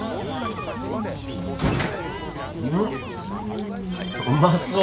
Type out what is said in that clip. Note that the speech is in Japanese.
んうまそう。